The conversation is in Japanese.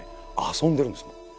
遊んでるんですもん。